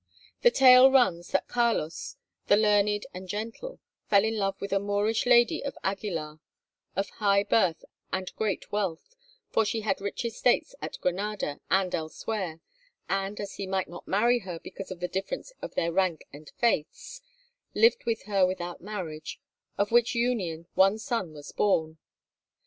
The tale runs that Carlos, the learned and gentle, fell in love with a Moorish lady of Aguilar of high birth and great wealth, for she had rich estates at Granada and elsewhere, and, as he might not marry her because of the difference of their rank and faiths, lived with her without marriage, of which union one son was born.